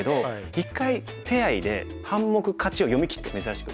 一回手合で半目勝ちを読みきって珍しく。